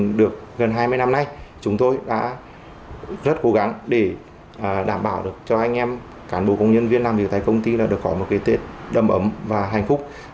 được gần hai mươi năm nay chúng tôi đã rất cố gắng để đảm bảo được cho anh em cán bộ công nhân viên làm việc tại công ty là được có một cái tết đầm ấm và hạnh phúc